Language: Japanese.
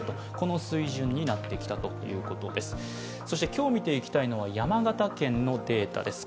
今日、見ていきたいのは山形県のデータです。